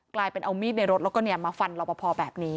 กลายเป็นเอามีดในรถแล้วก็มาฟันรอปภแบบนี้